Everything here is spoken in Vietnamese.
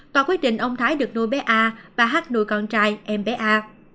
tòa quyết định ông thái được nuôi bé a bà hắc nuôi con trai em bé a